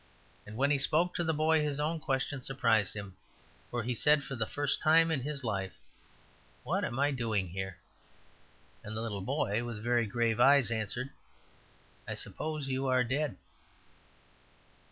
And when he spoke to the boy his own question surprised him, for he said for the first time in his life, "What am I doing here?" And the little boy, with very grave eyes, answered, "I suppose you are dead."